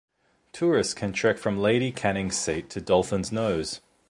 Tourists can trek from Lady Canning's Seat to Dolphin's Nose.